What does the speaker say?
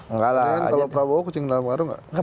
enggak lah kalau pak prabowo kuncin dalam karung enggak